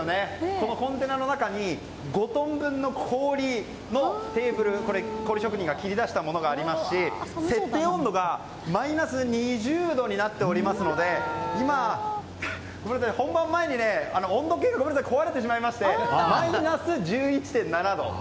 このコンテナの中に５トン分の氷のテーブル氷職人が切り出したものがありますし設定温度がマイナス２０度になっておりますので本番前に温度計が壊れてしまいましてマイナス１１．７度。